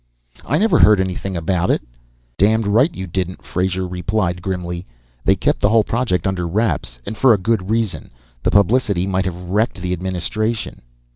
"I never heard anything about it." "Damned right you didn't," Frazer replied, grimly. "They kept the whole project under wraps, and for a good reason. The publicity might have wrecked the Administration."